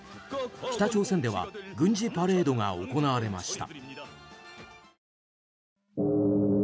北朝鮮では軍事パレードが行われました。